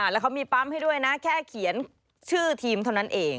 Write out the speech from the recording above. แล้วเขามีปั๊มให้ด้วยนะแค่เขียนชื่อทีมเท่านั้นเอง